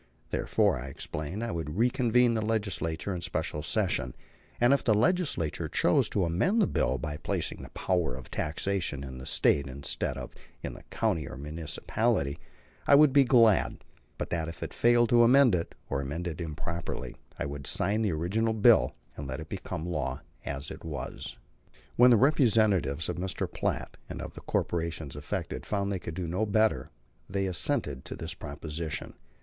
Therefore, I explained, I would reconvene the Legislature in special session, and if the legislators chose to amend the bill by placing the power of taxation in the State instead of in the county or municipality, I would be glad; but that if they failed to amend it, or amended it improperly, I would sign the original bill and let it become law as it was. When the representatives of Mr. Platt and of the corporations affected found they could do no better, they assented to this proposition.